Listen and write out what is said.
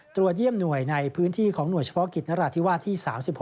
ตรวจเยี่ยมหน่วยในพื้นที่ของหน่วยเฉพาะกิจนราธิวาสที่๓๖